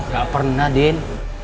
gak pernah din